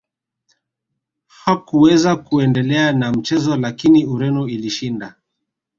hakuweza kuendelea na mchezo lakini ureno ilishinda